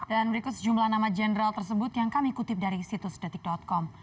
dan berikut sejumlah nama jenderal tersebut yang kami kutip dari situs detik com